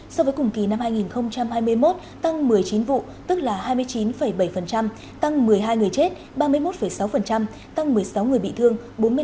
so với cùng kỳ năm hai nghìn hai mươi một tăng một mươi chín vụ tức là hai mươi chín bảy tăng một mươi hai người chết ba mươi một sáu tăng một mươi sáu người bị thương bốn mươi năm